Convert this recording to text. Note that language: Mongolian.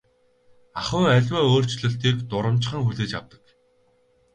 Ахуйн аливаа өөрчлөлтийг дурамжхан хүлээж авдаг.